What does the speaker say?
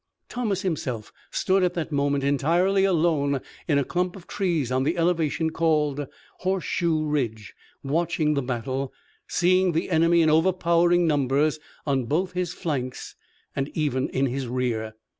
Thomas himself stood at that moment entirely alone in a clump of trees on the elevation called Horseshoe Ridge, watching the battle, seeing the enemy in overpowering numbers on both his flanks and even in his rear.